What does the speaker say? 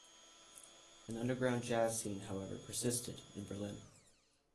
An underground jazz scene, however, persisted in Berlin.